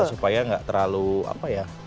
supaya nggak terlalu apa ya